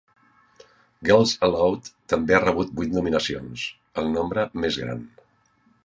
Girls Aloud també ha rebut vuit nominacions, el nombre més gran.